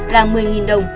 là một mươi đồng